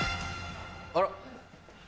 あら！